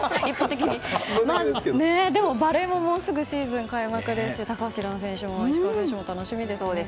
でも、バレーももうすぐシーズン開幕ですし高橋藍選手も石川選手も楽しみですよね。